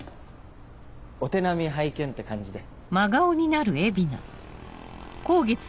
お手並み拝見って感じで。